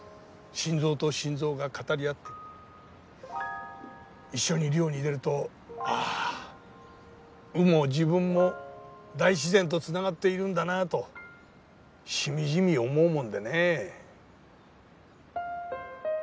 心臓と心臓が語り合って一緒に漁に出るとあぁ鵜も自分も大自然とつながっているんだなとしみじみ思うもんでねぇ